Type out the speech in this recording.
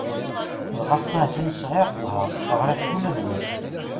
Dɣa ass-a a-t-an, sɛiɣ zzheṛ, ɣriɣ-t ula d nekk.